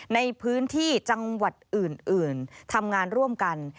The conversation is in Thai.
ในพื้นที่จังหวัดอื่นทำงานร่วมกัน